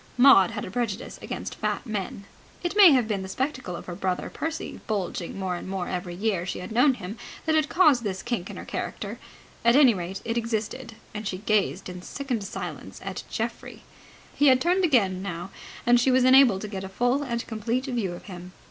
Maud had a prejudice against fat men. It may have been the spectacle of her brother Percy, bulging more and more every year she had known him, that had caused this kink in her character. At any rate, it existed, and she gazed in sickened silence at Geoffrey. He had turned again now, and she was enabled to get a full and complete view of him.